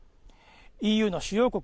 ＥＵの主要国